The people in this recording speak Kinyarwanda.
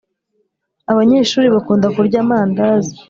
Abanyeshuri bakunda kurya amandazi